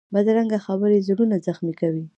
بدرنګه خبرې زړونه زخمي کوي